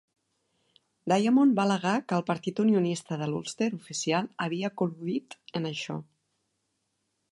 Diamond va al·legar que el Partit Unionista de l'Ulster oficial havia col·ludit en això.